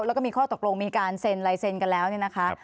แล้วก็มีข้อตกลงมีการเซ็นลายเซ็นกันแล้วเนี่ยนะคะ